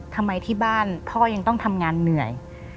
ที่บ้านพ่อยังต้องทำงานเหนื่อย